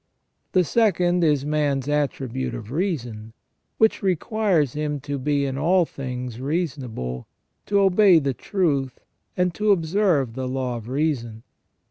The second is man's attribute of reason, which requires him to be in all things reasonable, to obey the truth, and to observe the law of reason.